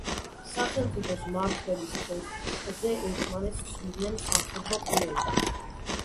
სახელმწიფოს მმართველის პოსტზე ერთმანეთს ცვლიდნენ სამხედრო პირები.